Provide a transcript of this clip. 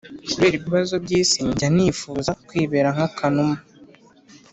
kubera ibibazo byisi njya nifuza kwibera nk’akanuma